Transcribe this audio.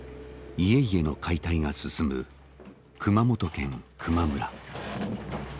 家々の解体が進む熊本県球磨村。